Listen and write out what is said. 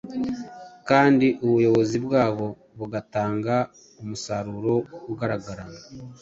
kandi ubuyobozi bwabo bugatanga umusaruro ugaragara